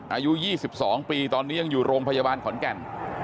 อายุ๒๒ปีตอนนี้ยังอยู่โรงพยาบาลขอนแก่น